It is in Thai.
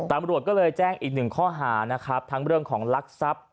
ตำรวจก็เลยแจ้งอีกหนึ่งข้อหานะครับทั้งเรื่องของลักทรัพย์